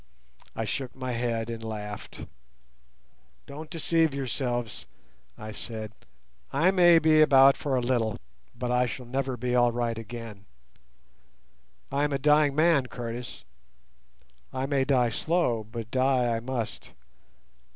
I shook my head and laughed. "Don't deceive yourselves," I said. "I may be about for a little, but I shall never be all right again. I am a dying man, Curtis. I may die slow, but die I must.